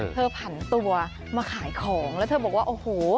ผันตัวมาขายของแล้วเธอบอกว่าโอ้โห